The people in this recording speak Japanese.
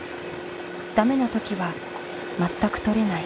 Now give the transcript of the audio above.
ダメな時は全く取れない。